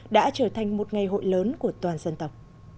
đã trở thành một ngày hội lớn của toàn dân tộc